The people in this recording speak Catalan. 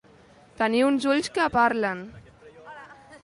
Tenir uns ulls que parlen.